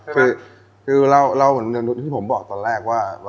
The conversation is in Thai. ต้องเก็บในตู้เย็นสวัสดีคุณพอร์ตไทย